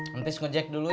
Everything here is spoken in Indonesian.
mepis ngejek dulu ya